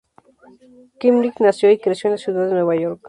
Knight nació y creció en la Ciudad de Nueva York.